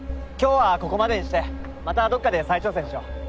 今日はここまでにしてまたどこかで再挑戦しよう。